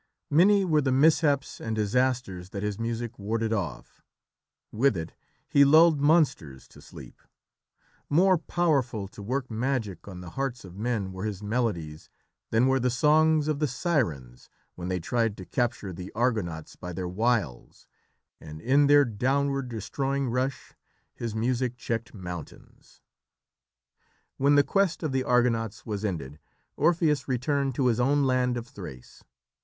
Many were the mishaps and disasters that his music warded off. With it he lulled monsters to sleep; more powerful to work magic on the hearts of men were his melodies than were the songs of the sirens when they tried to capture the Argonauts by their wiles, and in their downward, destroying rush his music checked mountains. When the quest of the Argonauts was ended, Orpheus returned to his own land of Thrace.